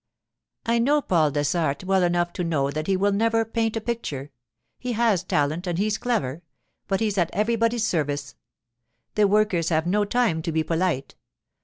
'I know Paul Dessart well enough to know that he will never paint a picture. He has talent, and he's clever, but he's at everybody's service. The workers have no time to be polite.